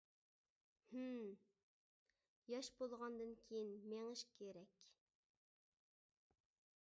-ھىم. ياش بولغاندىن كېيىن مېڭىش كېرەك!